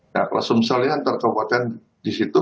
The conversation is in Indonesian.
nah presumselnya antar kebupatan di situ